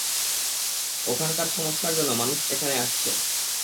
ওখানকার সমস্যার জন্য মানুষ এখানে আসছে।